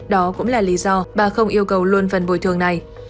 đó cũng là lý do bà không yêu cầu luôn phần bồi thường này